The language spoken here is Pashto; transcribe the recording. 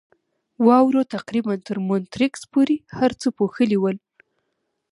واورو تقریباً تر مونیټریکس پورې هر څه پوښلي ول.